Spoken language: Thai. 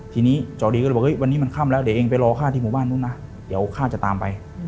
ทีนี้จอดีก็เลยบอกเฮ้ยวันนี้มันค่ำแล้วเดี๋ยวเองไปรอข้าที่หมู่บ้านนู้นนะเดี๋ยวข้าจะตามไป